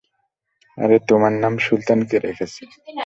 আরে, তোমার নাম সুলতান কে রেখেছে?